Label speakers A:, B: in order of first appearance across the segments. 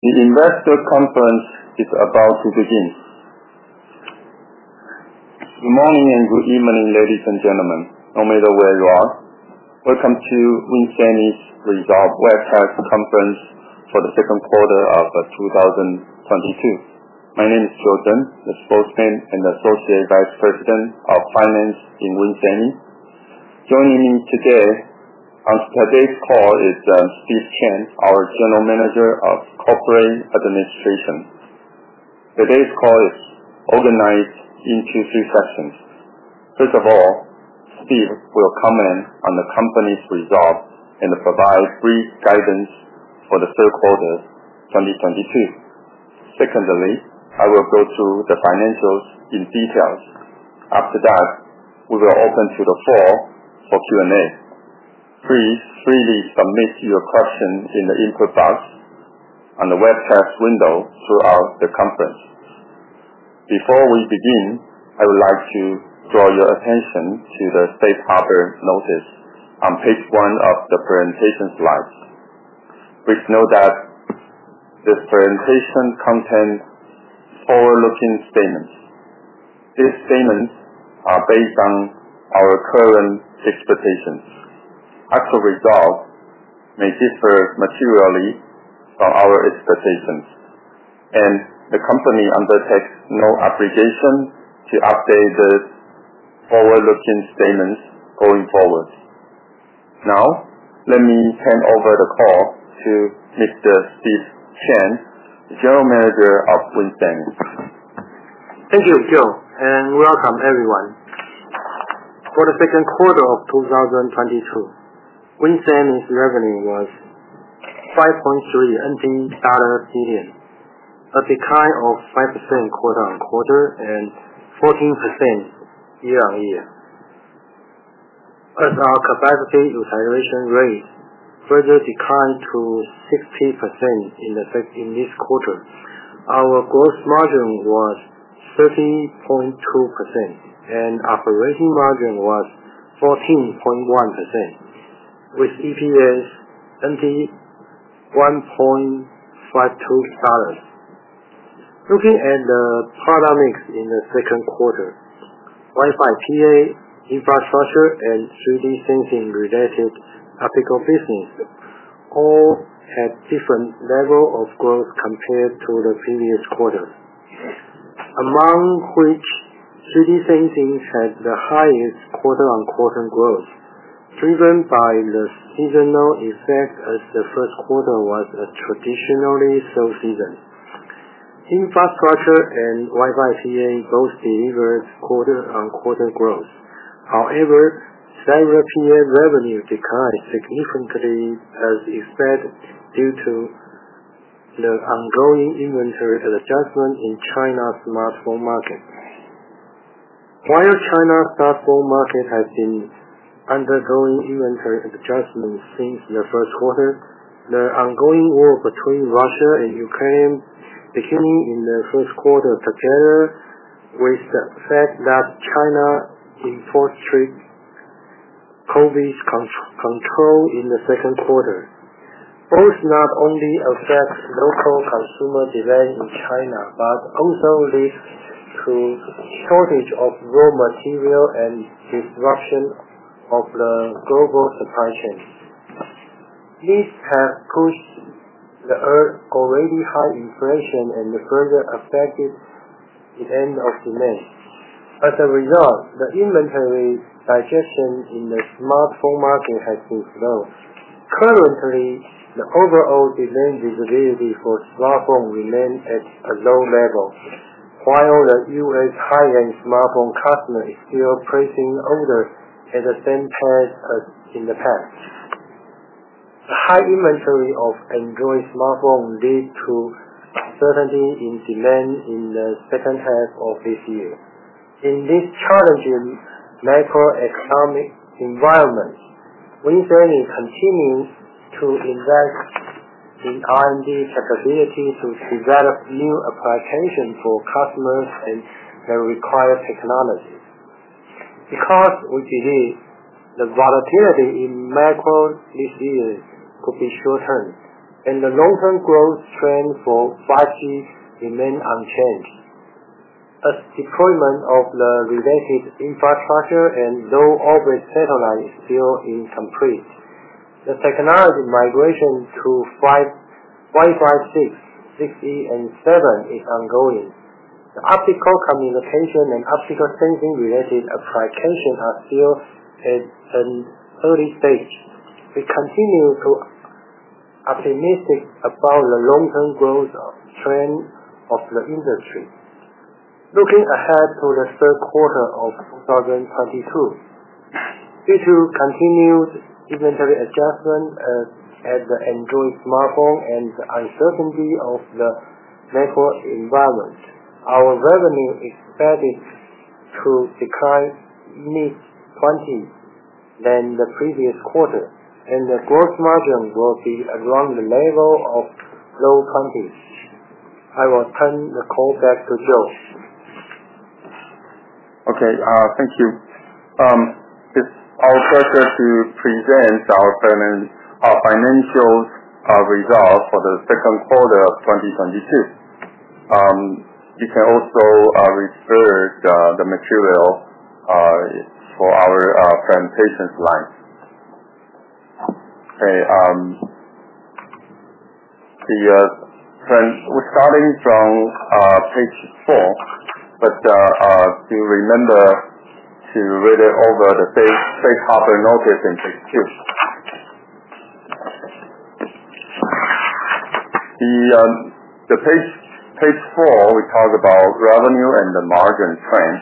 A: The investor conference is about to begin. Good morning and good evening, ladies and gentlemen. No matter where you are. Welcome to WIN Semi's result webcast conference for the second quarter of 2022. My name is Joe Tsen, the Spokesman and Associate Vice President of Finance in WIN Semi. Joining me today on today's call is Steve Chen, our General Manager of Corporate Administration. Today's call is organized into three sections. First of all, Steve will comment on the company's results and provide brief guidance for the third quarter 2022. Secondly, I will go through the financials in detail. After that, we will open to the floor for Q&A. Please freely submit your questions in the input box on the webcast window throughout the conference. Before we begin, I would like to draw your attention to the safe harbor notice on page one of the presentation slides. Please note that this presentation contains forward-looking statements. These statements are based on our current expectations. Actual results may differ materially from our expectations, and the company undertakes no obligation to update the forward-looking statements going forward. Now, let me hand over the call to Mr. Steve Chen, General Manager of WIN Semiconductors.
B: Thank you, Joe, and welcome everyone. For the second quarter of 2022, WIN Semi's revenue was 5.3 billion dollar, a decline of 5% quarter-on-quarter and 14% year-on-year. As our capacity utilization rate further declined to 60% in this quarter, our gross margin was 13.2% and operating margin was 14.1%, with EPS TWD 1.52. Looking at the product mix in the second quarter, Wi-Fi PA, infrastructure and 3D sensing-related optical business all had different level of growth compared to the previous quarter. Among which 3D sensing had the highest quarter-on-quarter growth, driven by the seasonal effect as the first quarter was a traditionally slow season. Infrastructure and Wi-Fi PA both delivered quarter-on-quarter growth. However, cellular PA revenue declined significantly as expected due to the ongoing inventory adjustment in China's smartphone market. While China's smartphone market has been undergoing inventory adjustments since the first quarter, the ongoing war between Russia and Ukraine beginning in the first quarter, together with the fact that China enforced strict COVID control in the second quarter, both not only affects local consumer demand in China, but also leads to shortage of raw material and disruption of the global supply chain. This has pushed the already high inflation and further affected demand. As a result, the inventory digestion in the smartphone market has been slow. Currently, the overall demand visibility for smartphone remain at a low level. While the U.S. high-end smartphone customer is still placing orders at the same pace as in the past. The high inventory of Android smartphones leads to uncertainty in demand in the second half of this year. In this challenging macroeconomic environment, WIN Semi continues to invest in R&D capability to develop new applications for customers and the required technologies. We believe the volatility in macro this year could be short-term and the long-term growth trend for 5G remains unchanged. Deployment of the related infrastructure and low orbit satellite is still incomplete. The technology migration to Wi-Fi 6, Wi-Fi 6E, and Wi-Fi 7 is ongoing. The optical communication and optical sensing related applications are still at an early stage. We continue to be optimistic about the long-term growth trend of the industry. Looking ahead to the third quarter of 2022. Due to continued inventory adjustment at the Android smartphone and the uncertainty of the macro environment, our revenue expected to decline mid-20% from the previous quarter and the gross margin will be around the level of low 20%. I will turn the call back to Joe.
A: Okay. Thank you. It's our pleasure to present our financials results for the second quarter of 2022. You can also refer to the material for our presentation slides. Okay, we're starting from page four, but do remember to read over the safe harbor notice on page two. Page four, we talk about revenue and the margin trend.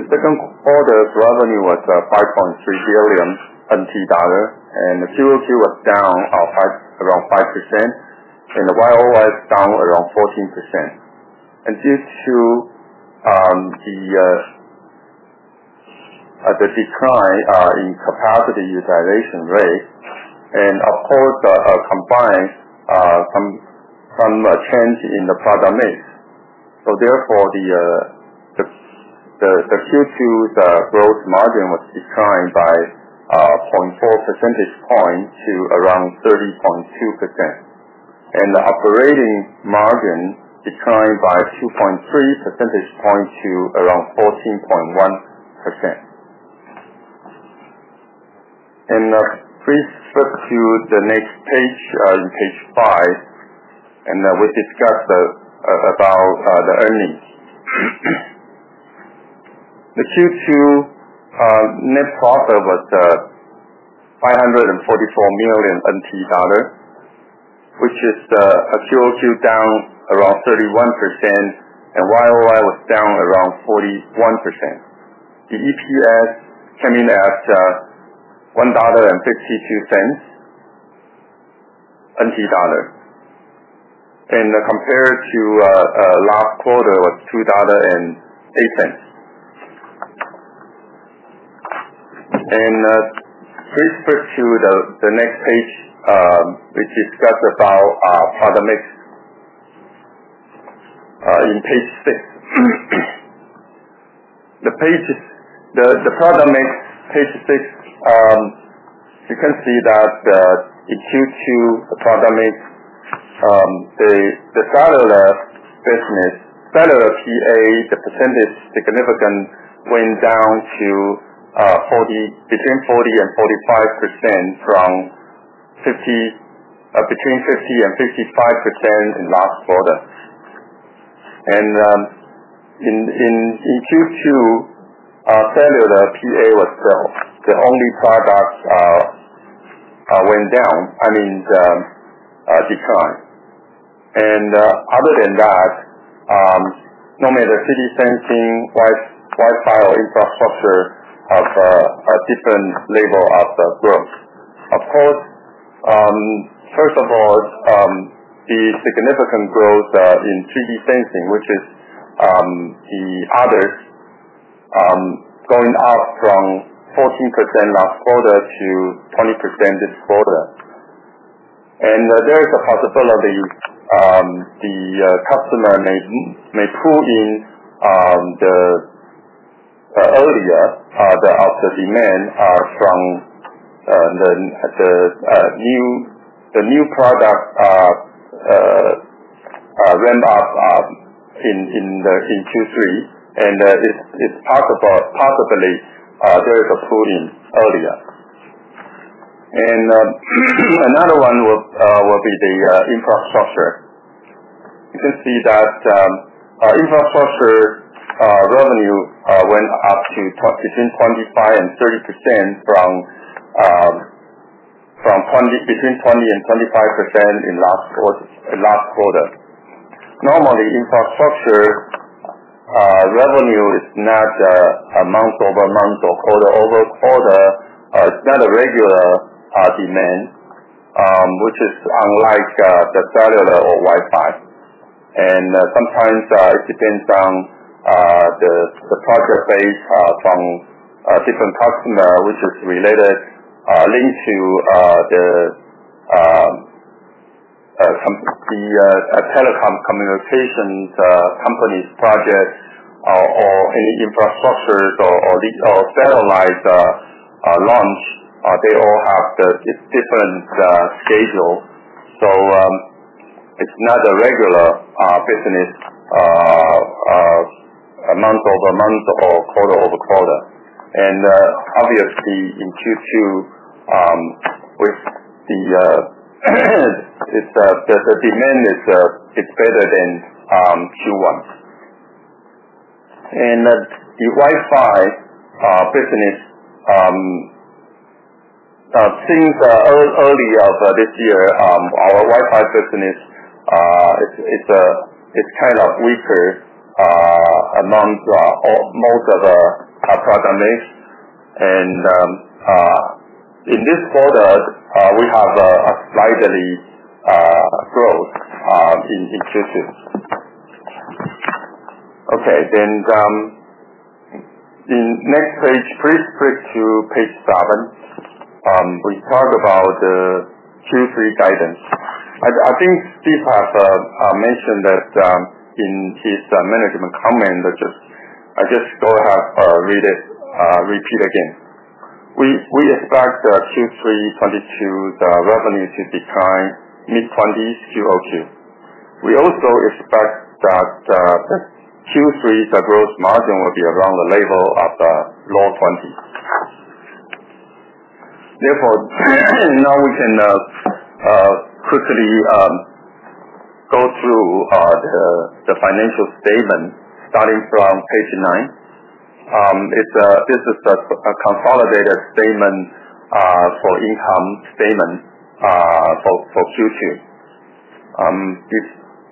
A: The second quarter's revenue was TWD 5.3 billion, and the QoQ was down around 5% and the YoY is down around 14%. Due to the decline in capacity utilization rate and of course combined some change in the product mix. The Q2 gross margin declined by 0.4 percentage point to around 30.2%. The operating margin declined by 2.3 percentage points to around 14.1%. Please flip to the next page five, and then we'll discuss the earnings. The Q2 net profit was 544 million NT dollar, which is a QoQ down around 31% and YoY was down around 41%. The EPS came in at TWD 1.52. Compared to last quarter was 2.08 dollars. Please flip to the next page, which discusses about product mix in page six. The pages, the product mix, page six, you can see that, in Q2 the product mix, the cellular business, cellular PA, the percentage significantly went down to between 40% and 45% from between 50% and 55% in last quarter. In Q2, cellular PA was the only product went down, I mean, declined. Other than that, no matter 3D sensing, Wi-Fi or infrastructure have a different level of growth. Of course, first of all, the significant growth in 3D sensing, which is the others, going up from 14% last quarter to 20% this quarter. There is a possibility the customer may pull in earlier the demand from the new product ramp up in Q3 and it's possible, possibly there is a pull-in earlier. Another one will be the infrastructure. You can see that our infrastructure revenue went up to between 25% and 30% from between 20% and 25% in last quarter. Normally, infrastructure revenue is not a month-over-month or quarter-over-quarter. It's not a regular demand which is unlike the cellular or Wi-Fi. Sometimes it depends on the project base from a different customer, which is related linked to some telecom communications company's projects or any infrastructures or the satellite launch. They all have the different schedule. It's not a regular business month-over-month or quarter-over-quarter. Obviously, in Q2, the demand is better than Q1. The Wi-Fi business since earlier this year, our Wi-Fi business, it's kind of weaker amongst most of our product mix. In this quarter, we have a slight growth in Q2. Okay, in next page, please flip to page seven. We talked about the Q3 guidance. I think Steve has mentioned that in his management comment. I just go ahead read it repeat again. We expect Q3 2022, the revenue to decline mid-20% QoQ. We also expect that Q3, the gross margin will be around the level of low-20%. Therefore, now we can quickly go through the financial statement starting from page nine. It's this is a consolidated statement for income statement for Q2.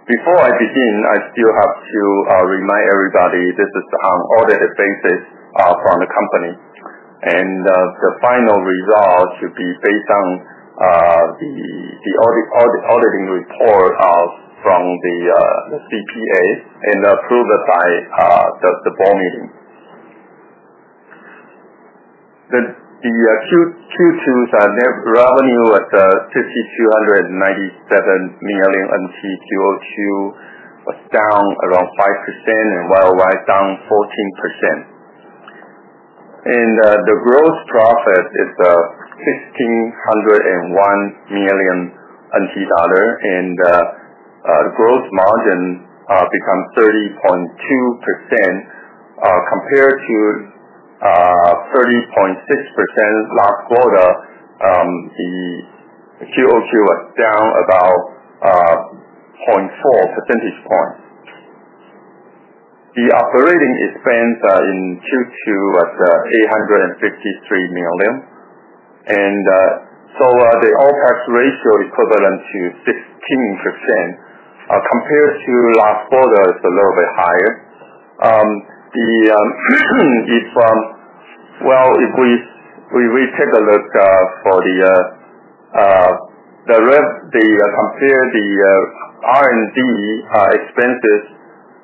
A: Before I begin, I still have to remind everybody this is on unaudited basis from the company. The final result should be based on the auditing report from the CPA and approved by the board meeting. Q2's net revenue was 5,297 million. QOQ was down around 5% and YoY down 14%. The gross profit is TWD 1,501 million and gross margin becomes 30.2%, compared to 30.6% last quarter. The QoQ was down about 0.4 percentage points. The operating expense in Q2 was TWD 853 million. The OpEx ratio equivalent to 16%, compared to last quarter it's a little bit higher. Well, if we take a look at the R&D expenses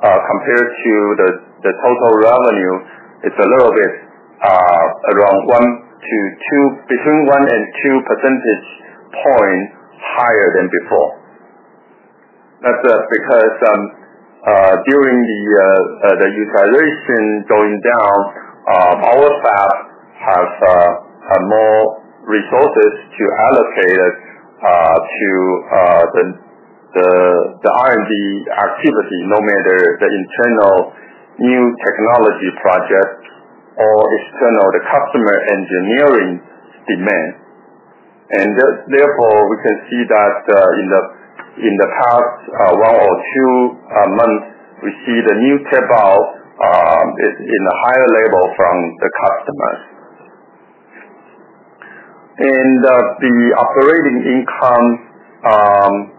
A: compared to the total revenue, it's a little bit around 1-2 between 1 and 2 percentage points higher than before. That's because during the utilization going down, our staff have more resources to allocate it to the R&D activity, no matter the internal new technology project or external customer engineering demand. Therefore, we can see that in the past one or two months, we see the new is in a higher level from the customers. The operating income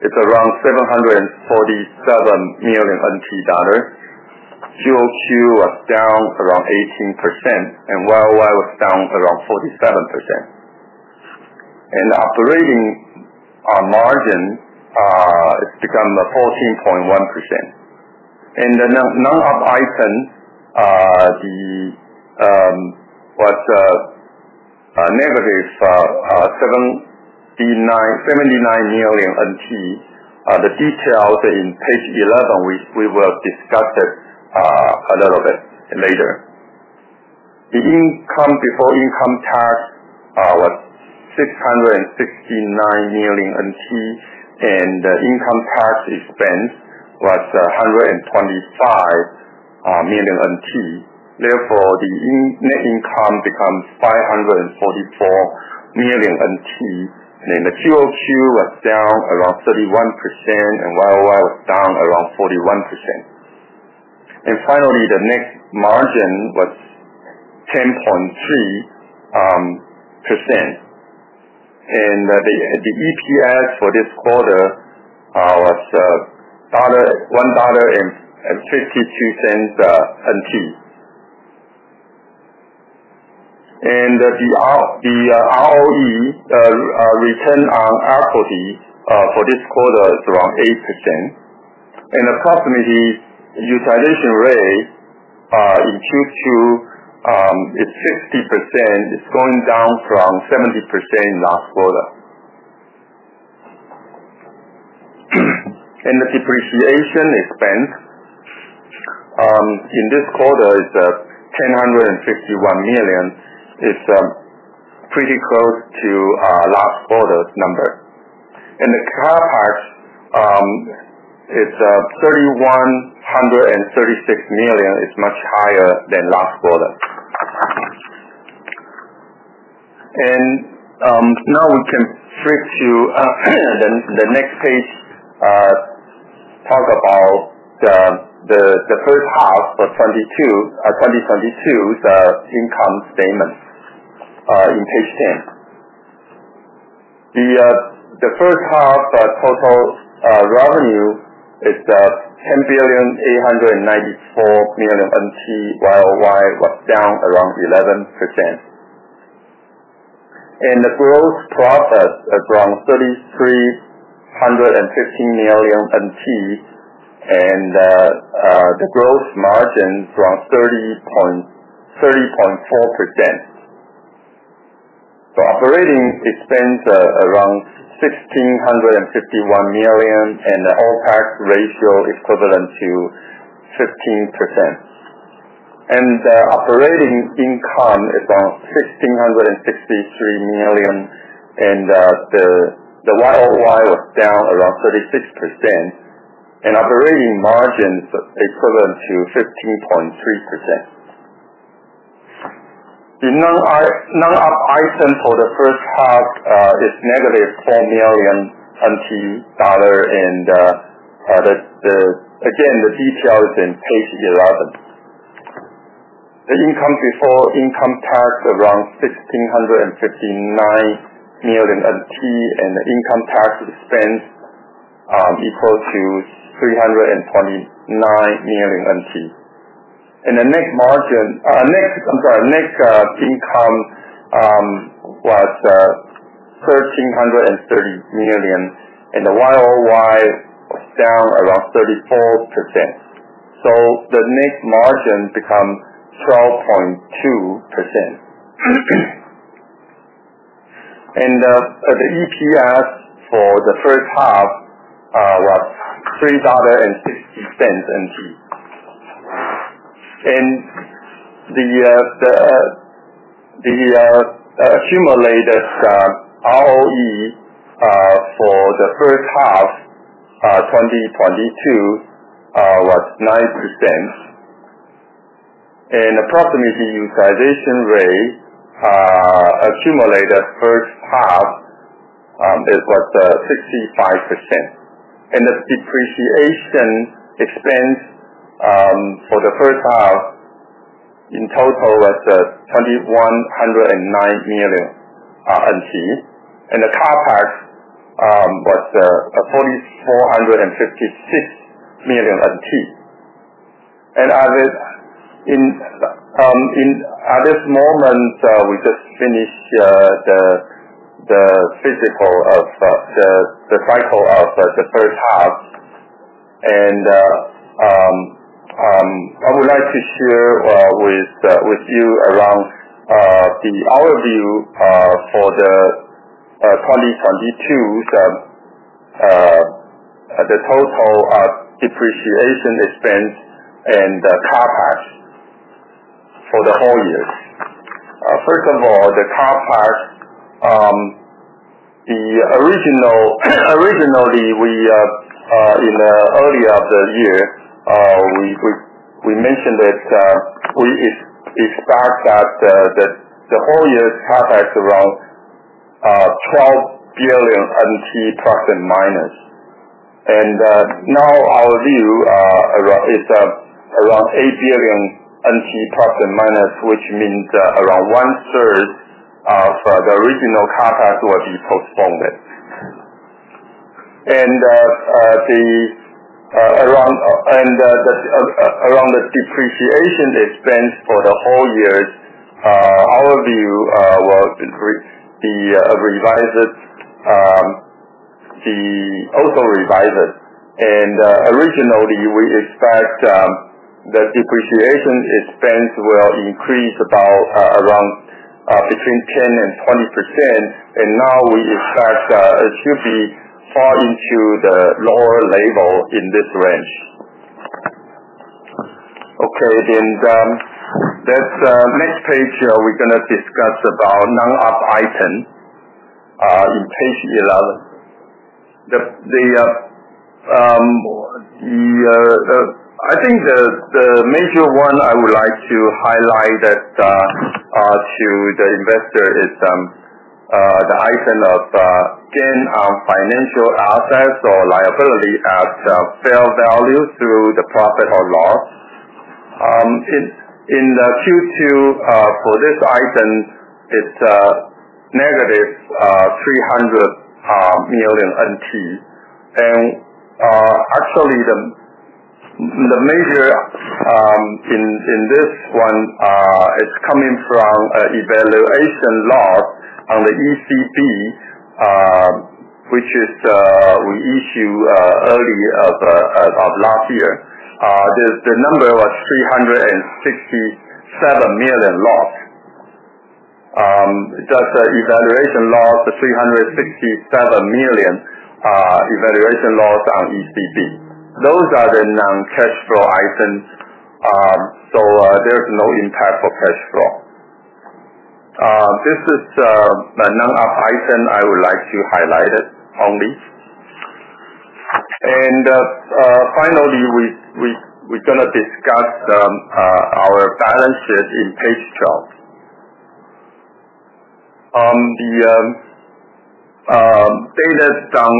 A: is around 747 million NT dollars. QoQ was down around 18% and YoY was down around 47%. Operating margin is 14.1%. The non-operating items was a -TWD 79 million. The details in page 11, we will discuss it a little bit later. Income before income tax was 669 million NT, and income tax expense was 125 million NT. Therefore, net income becomes 544 million NT. Net income QoQ was down around 31% and YoY was down around 41%. Finally, net margin was 10.3%. The EPS for this quarter was TWD 1.62. The ROE, return on equity, for this quarter is around 8%. Approximately utilization rate in Q2 is 60%. It's going down from 70% last quarter. The depreciation expense in this quarter is 1,051 million. It's pretty close to last quarter's number. The CapEx is TWD 3,136 million. It's much higher than last quarter. Now we can flip to the next page, talk about the first half for 2022, the income statement, in page 10. The first half total revenue is 10,894 million NT. YoY was down around 11%. The gross profit is around TWD 3,315 million, and the gross margin 30.4%. The operating expense around 1,651 million, and the ratio equivalent to 15%. Operating income is around 1,663 million. The YoY was down around 36%. Operating margins equivalent to 15.3%. The non-IFRS item for the first half is -TWD 4 million, and the detail is in page 11. Income before income tax around 1,659 million NT, and the income tax expense equal to 329 million NT. The net income was 1,330 million, and the YoY was down around 34%. The net margin become 12.2%. The EPS for the first half was TWD 3.60. The accumulated ROE for the first half 2022 was 9%. Approximate utilization rate accumulated first half was 65%. The depreciation expense for the first half in total was 2,109 million NT. The CapEx was 4,456 million NT. At this moment, we just finished the first half. I would like to share with you an overview for 2022 of the total depreciation expense and the CapEx for the whole year. First of all, the CapEx. Originally, we in the early part of the year mentioned that we expect the whole year's CapEx around TWD 12 billion ±. Now our view is around TWD 8 billion ±, which means around 1/3 of the original CapEx will be postponed. The depreciation expense for the whole year, our view was revised, and also revised. Originally, we expect the depreciation expense will increase between 10% and 20%. Now we expect it should fall into the lower level in this range. Okay. This next page, we're gonna discuss about non-IFRS item in page 11. I think the major one I would like to highlight that to the investor is the item of gain on financial assets or liability at fair value through the profit or loss. In the Q2, for this item, it's -TWD 300 million. Actually, the major in this one is coming from a valuation loss on the ECB, which we issue early of last year. The number was TWD 367 million loss. That's a valuation loss, 367 million, valuation loss on ECB. Those are the non-cash flow items. So, there's no impact for cash flow. This is the non-IFRS item I would like to highlight it only. Finally, we're gonna discuss our balance sheet in page 12. The data on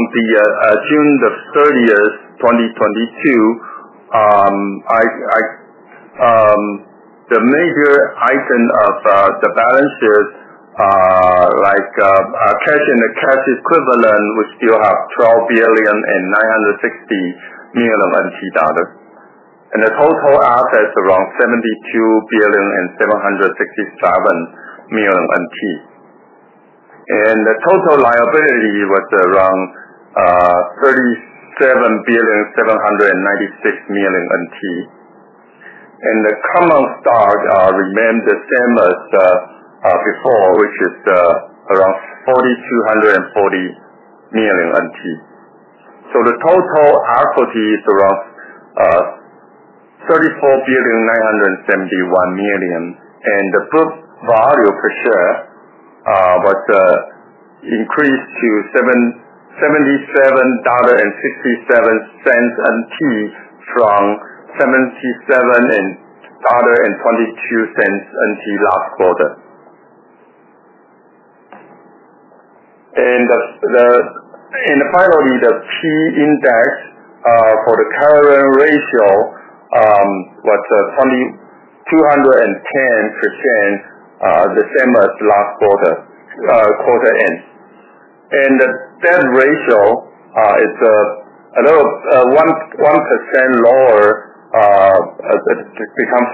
A: June 30th, 2022, the major item of the balance sheet, like, cash and cash equivalents, we still have TWD 12.96 billion. The total assets around TWD 72.767 billion. The total liability was around 37.796 billion. The common stock remained the same as before, which is around TWD 4.24 billion. The total equity is around 34.971 billion, and the book value per share was increased to TWD 77.67 from TWD 77.22 last quarter. Finally, the key index for the current ratio was, 210%, the same as last quarter end. The debt ratio is a little 1% lower, become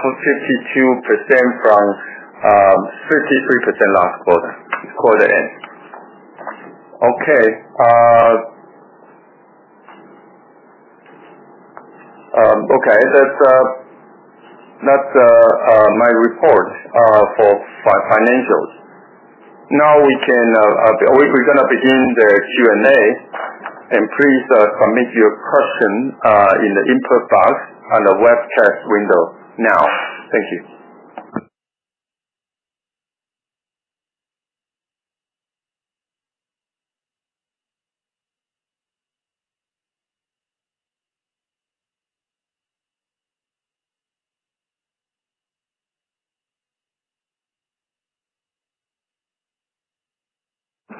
A: 52% from 53% last quarter end. Okay. Okay, that's that's my report for financials. Now we're gonna begin the Q&A, and please submit your question in the input box on the webcast window now. Thank you.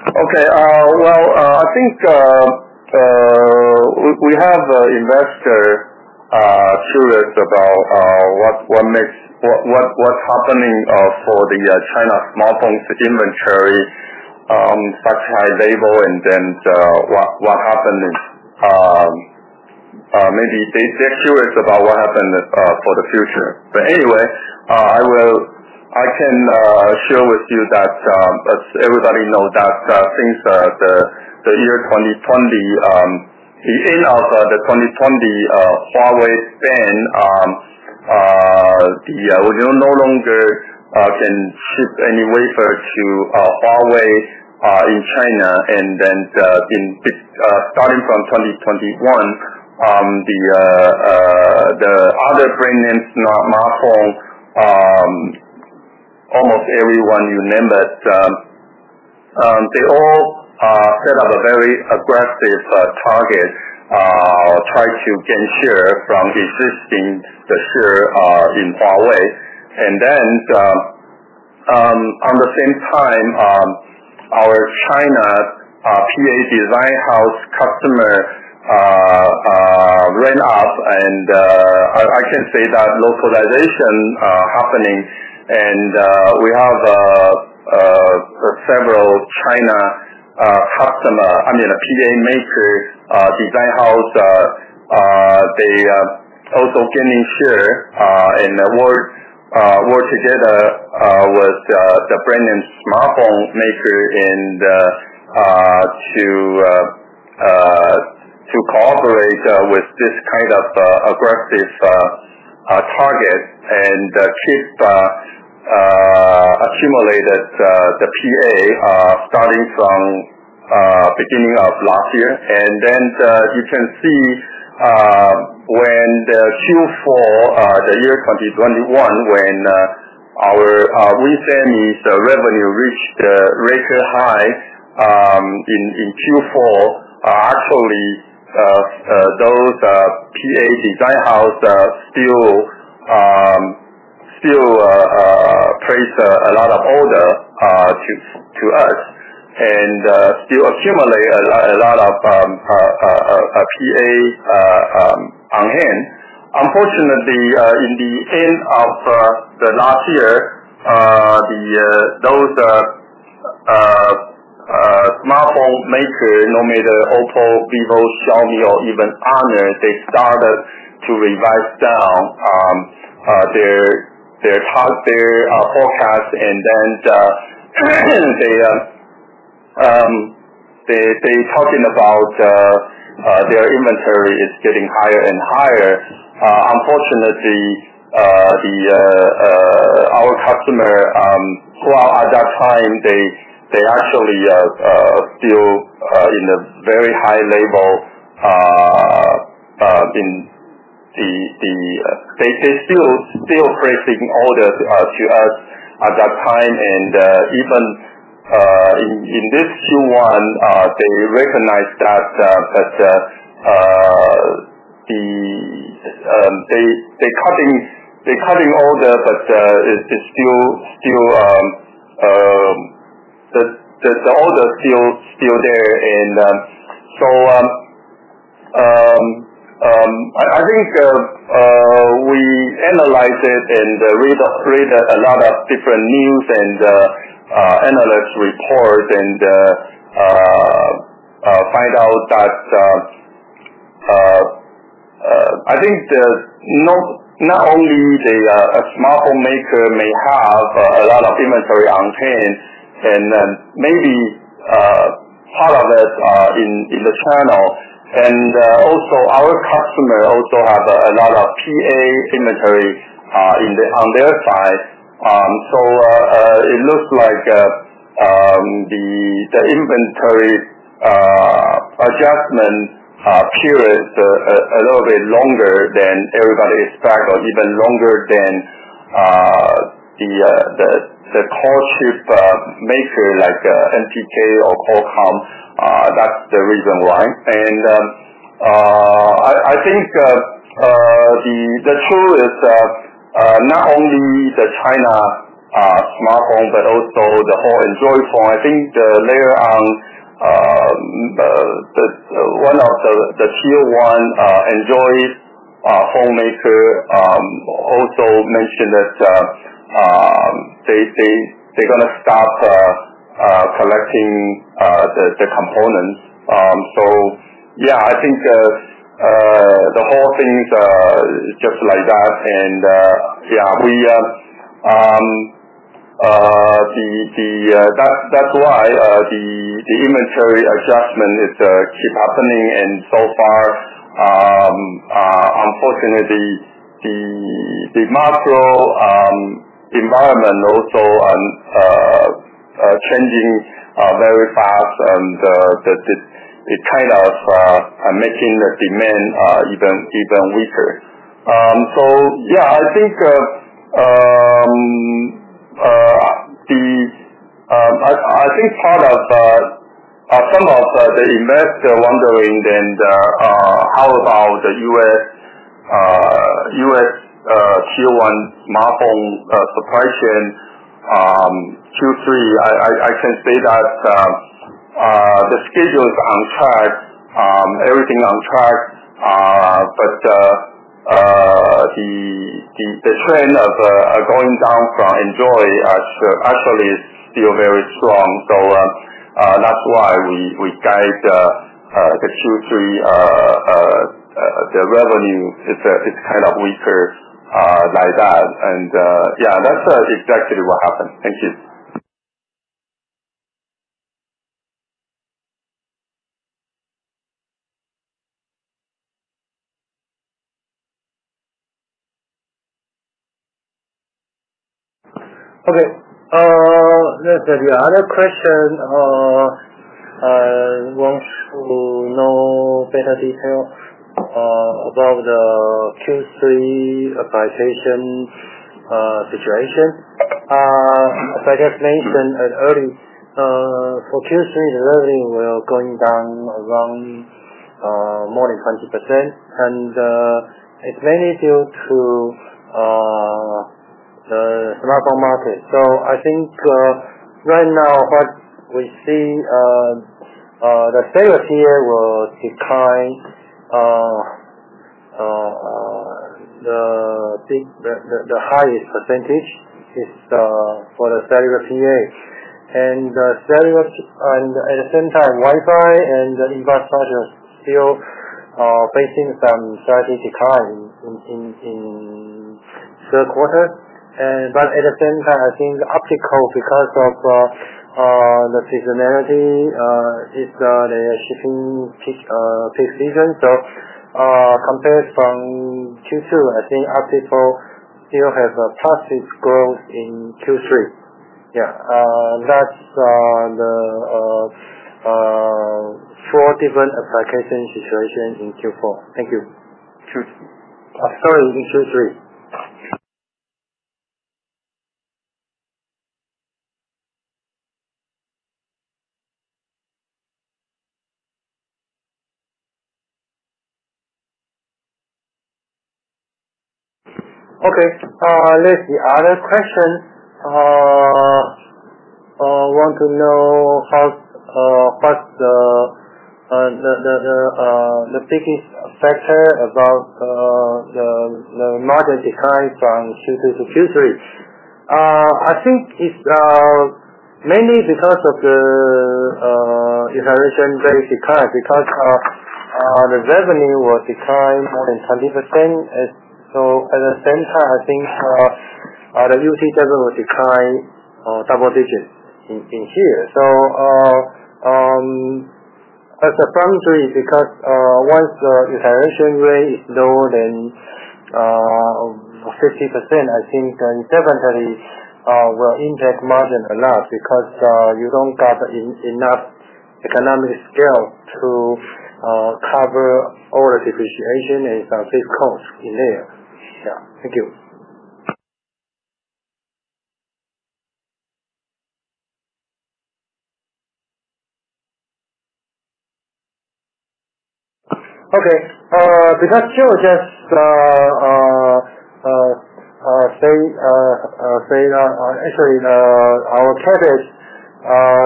A: Okay, well, I think we have investor curious about what makes. What's happening for the China smartphone inventory such high level and then what happened. Maybe they're curious about what happened for the future. Anyway, I can share with you that as everybody knows that since the end of 2020 Huawei ban, we no longer can ship any wafer to Huawei in China, and then starting from 2021, the other brand names, not smartphone, almost everyone you named, they all set up a very aggressive target try to gain share from existing share in Huawei. On the same time, our China PA design house customer went up, and I can say that localization happening. We have several China customers. I mean the PA maker design house. They also gaining share and work together with the brand and smartphone maker and to cooperate with this kind of aggressive target. They accumulated the PA starting from beginning of last year. Then you can see when in Q4 2021 our revenue reached a record high in Q4. Actually those PA design house still place a lot of order to us. Still accumulate a lot of PA on hand. Unfortunately, in the end of the last year, those smartphone maker, no matter Oppo, Vivo, Xiaomi or even Honor, they started to revise down their forecast. Then, they talking about their inventory is getting higher and higher. Unfortunately, our customer who are at that time, they actually are still in a very high level. They still placing orders to us at that time. Even in this Q1, they recognize that they cutting order, but it's still the order is still there. I think we analyzed it and read a lot of different news and analyst report and find out that not only a smartphone maker may have a lot of inventory on hand and maybe part of it in the channel. Also our customer also have a lot of PA inventory on their side. It looks like the inventory adjustment period a little bit longer than everybody expect or even longer than the core chip maker like MTK or Qualcomm. That's the reason why. I think the truth is that not only the China smartphone, but also the whole Android phone. I think later on, one of the Tier 1 Android phone maker also mentioned that they’re gonna start collecting the components. Yeah. I think the whole thing’s just like that. Yeah, that’s why the inventory adjustment is keep happening. So far, unfortunately the macro environment also changing very fast and it kind of making the demand even weaker. Yeah. I think part of some of the investor wondering and how about the U.S. Tier 1 smartphone supply chain and Q3 I can say that the schedule's on track, everything on track. The trend of going down from Android actually is still very strong. That's why we guide the Q3, the revenue it's kind of weaker like that. Yeah, that's exactly what happened. Thank you.
B: Okay. Let's see. Other question wants to know better detail about the Q3 application situation. As I just mentioned earlier, for Q3 the revenue were going down around more than 20%. It's mainly due to the smartphone market. I think right now what we see the cellular PA will decline the highest percentage is for the cellular PA. At the same time, Wi-Fi and the infrastructure still facing some slight decline in third quarter. But at the same time, I think optical because of the seasonality they are shifting peak season. Compared from Q2, I think optical still has a positive growth in Q3. Yeah. That's the four different application situation in Q4. Thank you.
A: Q3.
B: Sorry, in Q3. Okay. Let's see. Other question, want to know how, what's the biggest factor about the margin decline from Q2 to Q3. I think it's mainly because of the utilization rate decline because the revenue was declined more than 20%. At the same time, I think the utilization declined double digits in here. Primarily because once the utilization rate is lower than 50%, I think then secondary will impact margin a lot because you don't have enough economic scale to cover all the depreciation and fixed costs in there. Yeah. Thank you. Okay. Because Joe just say that actually our tablets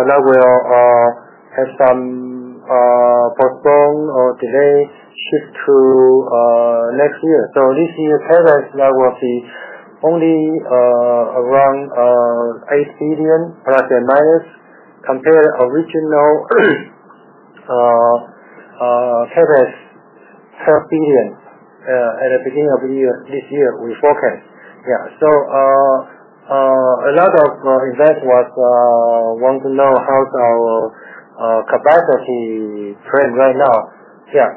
B: now will have some postponement or delay shift to next year. This year's tablets now will be only around 8 billion ±, compared to original TWD 12 billion at the beginning of the year, this year, we forecast. Yeah. A lot of investors want to know how's our capacity trend right now. Yeah.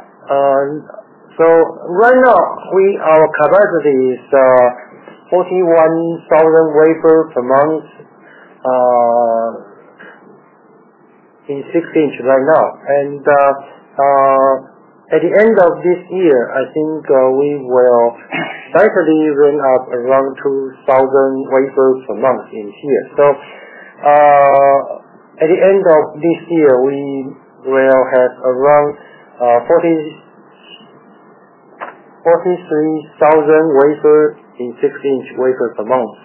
B: Right now, our capacity is 41,000 wafers per month in 6-inch right now. At the end of this year, I think we will likely ramp up around 2,000 wafers per month in here. at the end of this year, we will have around 40, 43 thousand wafer in six-inch wafers a month.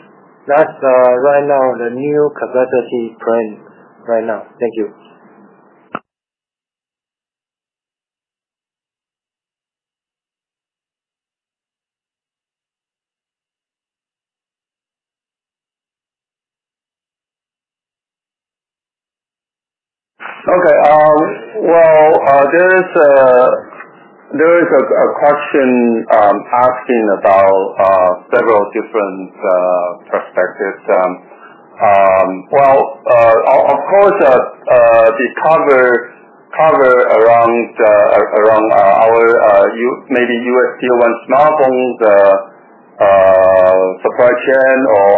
B: That's right now the new capacity trend right now. Thank you.
A: Okay. Well, there is a question asking about several different perspectives. Well, of course, they cover around our maybe U.S. Tier 1 smartphones supply chain or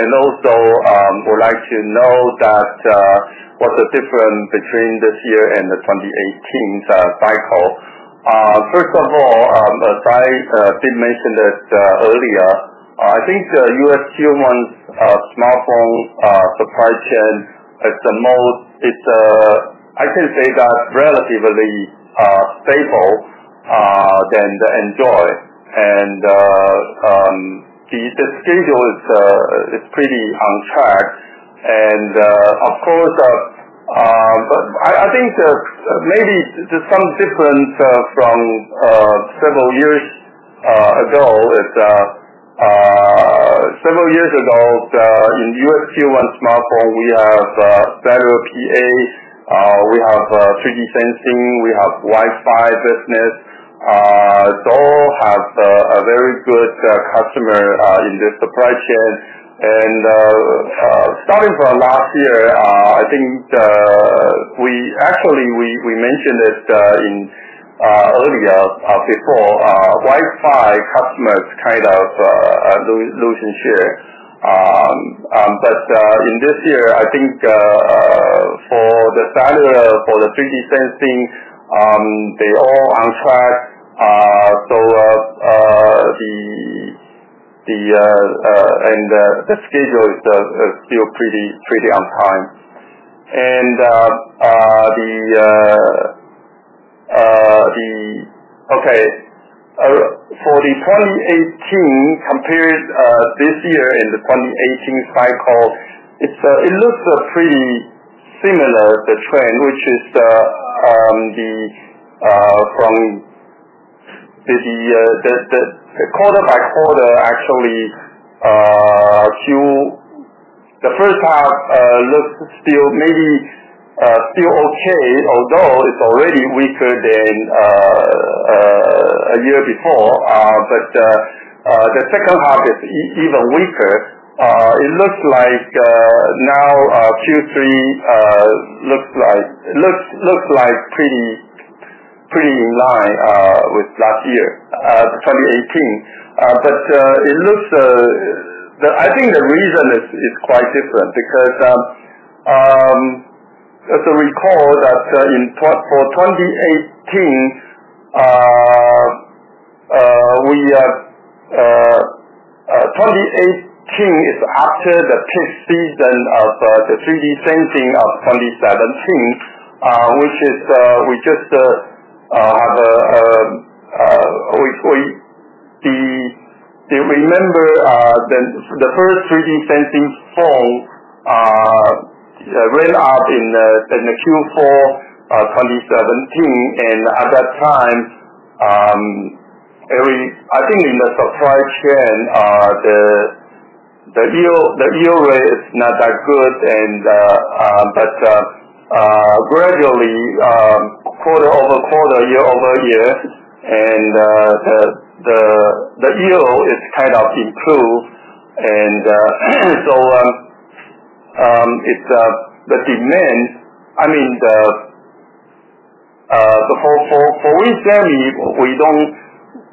A: and also would like to know what's the difference between this year and the 2018's cycle. First of all, as I did mention this earlier, I think the U.S. Tier 1 smartphone supply chain is the most stable. It's relatively stable than the Android. The schedule is pretty on track. Of course, I think maybe there's some difference from several years ago. Several years ago, the U.S. Tier 1 smartphone, we have better PAs, we have 3D sensing, we have Wi-Fi business, so we have a very good customer in the supply chain. Starting from last year, I think we actually mentioned this in earlier before, Wi-Fi customers kind of losing share. In this year, I think, for the cellular, for the 3D sensing, they're all on track. The schedule is still pretty on time. Okay. For the 2018 compared this year in the 2018 cycle, it looks pretty similar, the trend, which is from the quarter by quarter, actually. The first half looks still maybe still okay, although it's already weaker than a year before. The second half is even weaker. It looks like now Q3 looks like pretty in line with last year, 2018. It looks, I think the reason is quite different because as you recall that in 2018 is after the peak season of the 3D sensing of 2017, which is you remember the first 3D sensing phone came out in the Q4 2017, and at that time, I think in the supply chain the yield rate is not that good and gradually quarter-over-quarter, year-over-year, the yield is kind of improved. It's the demand, I mean the for WIN Semi, we don't.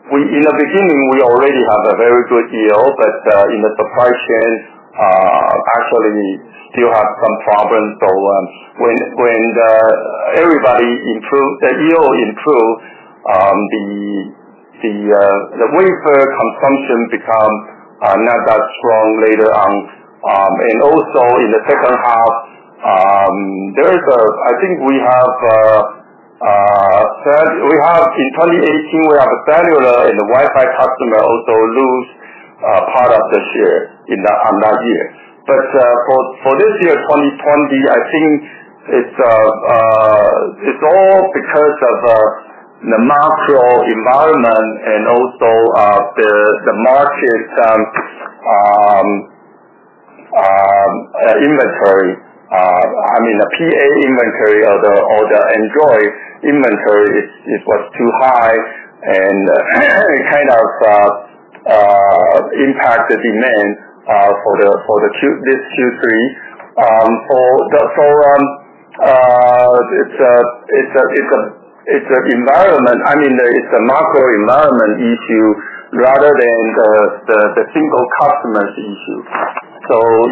A: In the beginning, we already have a very good yield, but in the supply chain, actually still have some problems. When everybody improve, the yield improve, the wafer consumption become not that strong later on. In the second half, I think we have third in 2018, we have a cellular and Wi-Fi customer also lose part of the share in that year. For this year, 2020, I think it's all because of the macro environment and also the market inventory. I mean, the PA inventory or the Android inventory, it was too high and it kind of impacted demand for the Q2 this Q3. It's an environment. I mean, there is a macro environment issue rather than the single customers issue.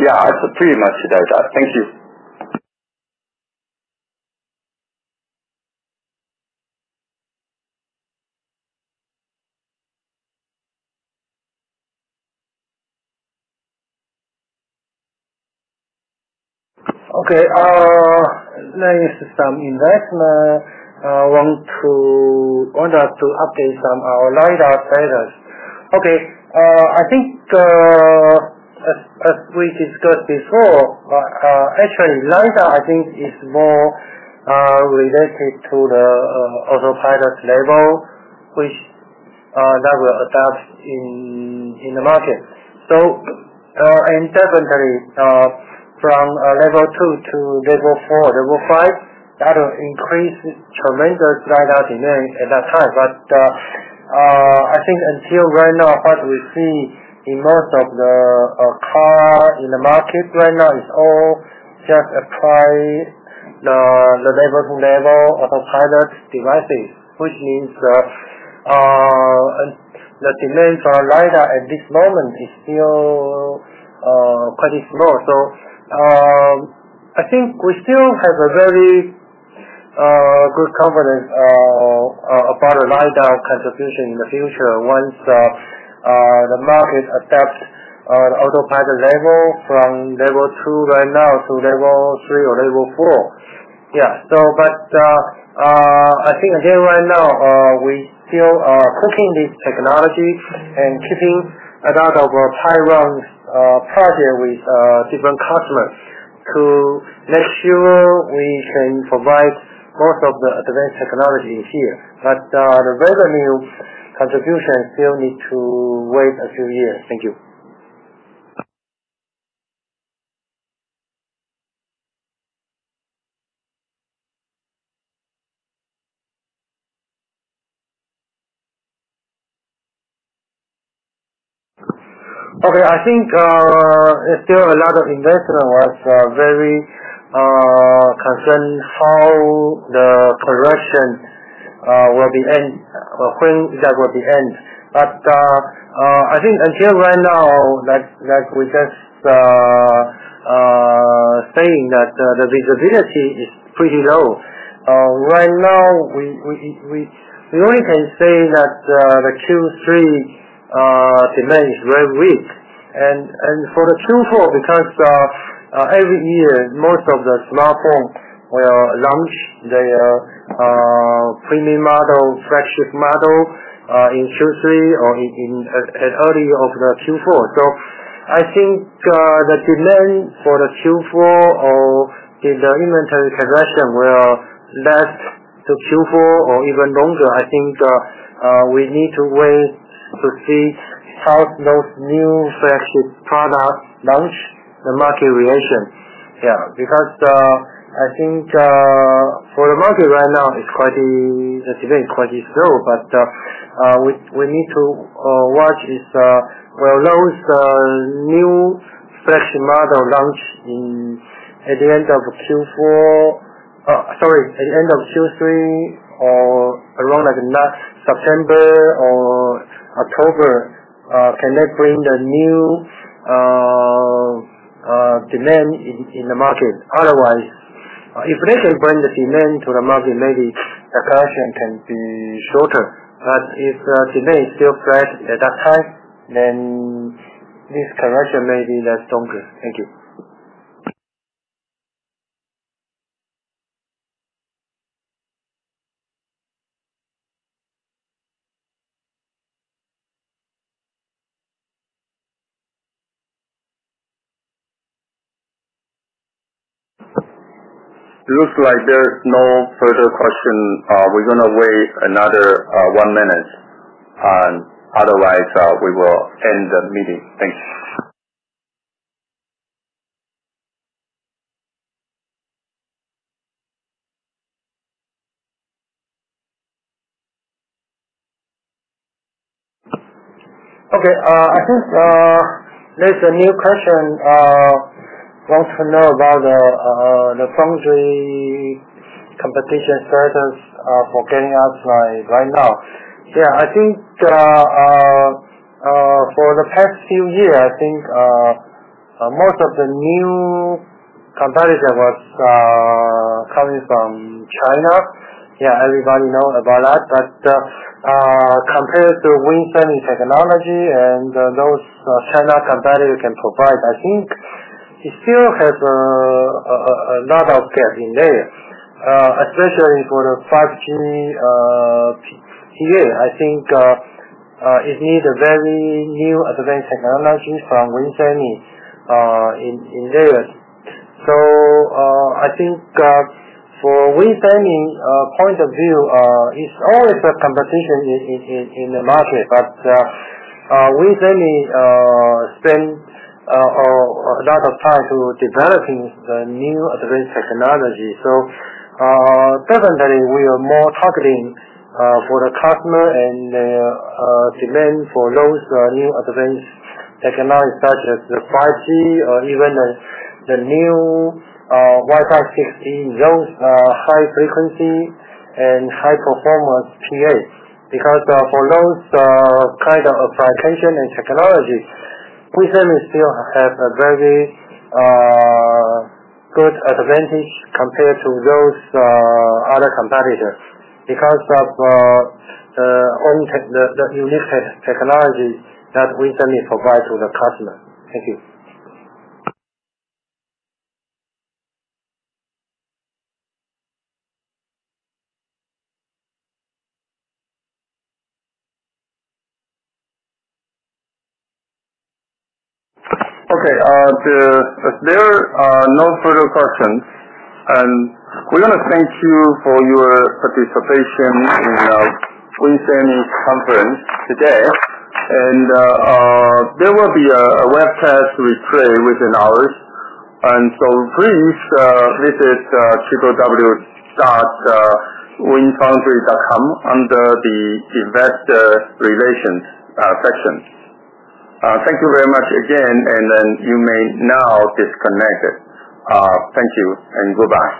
A: Yeah, it's pretty much that. Thank you.
B: Okay. Next, some investor wanted us to update some of our LiDAR status. Okay. I think, as we discussed before, actually, LiDAR, I think, is more related to the autopilot level, which will be adopted in the market. Definitely, from Level 2 to Level 4, Level 5, that will tremendously increase LiDAR demand at that time. I think until right now, what we see in most of the cars in the market right now is all just Level 1 and Level 2 autopilot devices, which means the demand for LiDAR at this moment is still quite small. I think we still have a very good confidence about the LiDAR contribution in the future once the market adopts the autopilot level from Level 2 right now to Level 3 or Level 4. Yeah. I think again right now we still are pushing this technology and keeping a lot of high-volume projects with different customers to make sure we can provide most of the advanced technology here. The revenue contribution still need to wait a few years. Thank you. Okay. I think there's still a lot of investors were very concerned how the progression will end or when that will end. I think until right now like we just saying that the visibility is pretty low. Right now we only can say that the Q3 demand is very weak. For the Q4, because every year most of the smartphone will launch their premium model, flagship model in Q3 or in early of the Q4. I think the demand for the Q4 or if the inventory progression will last to Q4 or even longer. I think we need to wait to see how those new flagship products launch the market reaction. Yeah. I think for the market right now, it's been quite slow. We need to watch if those new flagship model will launch at the end of Q4. Sorry, at end of Q3 or around, like, last September or October, can they bring the new demand in the market? Otherwise, if they can bring the demand to the market, maybe the correction can be shorter. But if the demand is still flat at that time, then this correction may be less longer. Thank you.
A: It looks like there's no further question. We're gonna wait another one minute. Otherwise, we will end the meeting. Thanks.
B: Okay. I think there's a new question wants to know about the foundry competition status for GaAs outside right now. Yeah, I think for the past few years, I think most of the new competitors was coming from China. Yeah, everybody know about that. Compared to WIN Semi technology and those Chinese competitors can provide, I think it still has a lot of gaps there, especially for the 5G PA. I think it needs a very new advanced technology from WIN Semi in areas. I think for WIN Semi point of view, it's always a competition in the market. WIN Semi spend a lot of time to developing the new advanced technology. Certainly we are more targeting for the customer and their demand for those new advanced technology such as the 5G or even the new Wi-Fi 6E. Those are high frequency and high performance PA. Because for those kind of application and technology, WIN Semi still have a very good advantage compared to those other competitors because of the own tech, the unique technology that WIN Semi provide to the customer. Thank you.
A: Okay. If there are no further questions, we wanna thank you for your participation in WIN Semi conference today. There will be a webcast replay within hours. Please visit www.winfoundry.com under the investor relations section. Thank you very much again, and then you may now disconnect it. Thank you and goodbye.